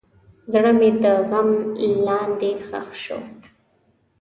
زړه مې د غم لاندې ښخ شو.